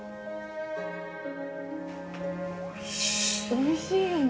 おいしいよね。